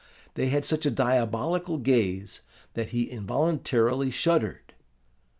They had such a diabolical gaze that he involuntarily shuddered.